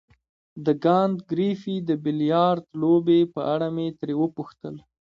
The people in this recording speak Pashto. د کانت ګریفي د بیلیارډ لوبې په اړه مې ترې وپوښتل.